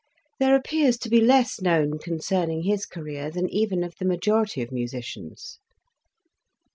There appears to be less known concerning his career than even of the majority of musicians.